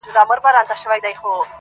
o د هوښيار سړي غبرگ غاښونه وزي.